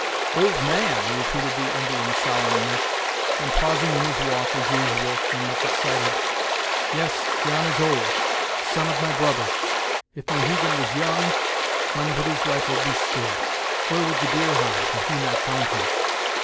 "Old man!" repeated the Indian solemnly, and pausing in his walk, as usual, when much excited; "yes, John is old. Son of my brother! if Mohegan was young, when would his rifle be still? Where would the deer hide, and he not find him?